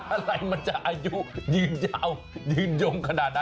อะไรมันจะอายุยืนยาวยืนยงขนาดนั้น